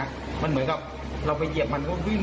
มันเหมือนกับเราไปเหยียบมันก็วิ่ง